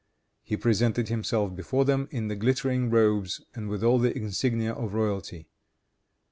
He presented himself before them in the glittering robes and with all the insignia of royalty.